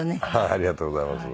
ありがとうございます。